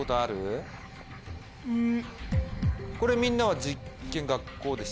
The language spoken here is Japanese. うん。